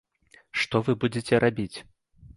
Што вы будзеце рабіць?